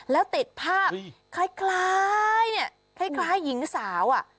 แล้วติดภาพคล้ายคล้ายหญิงสาว